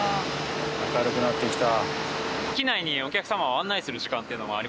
明るくなってきた。